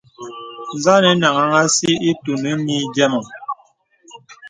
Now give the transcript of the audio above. Zà ànə nāŋhàŋ àsī itūn nï dīəm.